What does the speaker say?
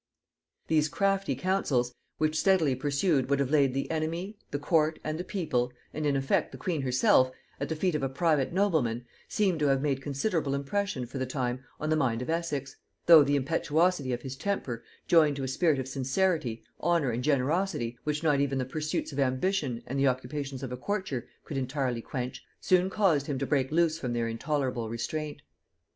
These crafty counsels, which steadily pursued would have laid the army, the court, and the people, and in effect the queen herself, at the feet of a private nobleman, seem to have made considerable impression for the time on the mind of Essex; though the impetuosity of his temper, joined to a spirit of sincerity, honor and generosity, which not even the pursuits of ambition and the occupations of a courtier could entirely quench, soon caused him to break loose from their intolerable restraint.